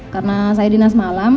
karena saya di nasi malam